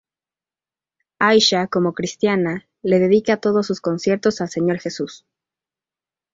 Aisha como Cristiana le dedica todos sus conciertos a al Señor Jesús.